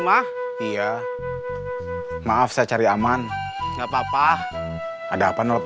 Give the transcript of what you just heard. terima kasih banyak banyak ya pam